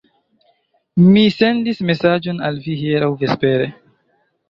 Mi sendis mesaĝon al vi hieraŭ vespere.